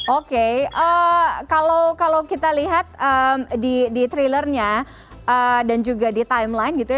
oke kalau kita lihat di thrillernya dan juga di timeline gitu ya